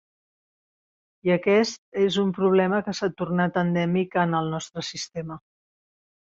I aquest és un problema que s’ha tornat endèmic en el nostre sistema.